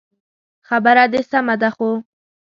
خبره دي سمه ده خو